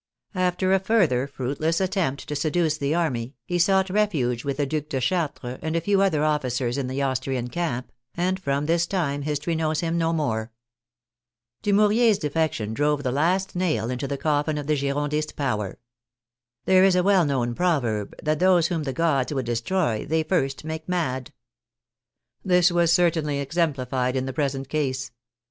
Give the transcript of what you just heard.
After a further fruitless attempt to seduce the army he sought refuge with the Due de Chartres and a few other officers in the Austrian camp, and from this time his tory knows him no more. Dumouriez's defection drove the last nail into the coffin of the Girondist power. There is a well known proverb that those whom the gods would destroy they first make mad. This was certainly exem plified in the present case.